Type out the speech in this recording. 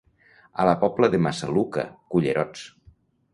A la Pobla de Massaluca, cullerots.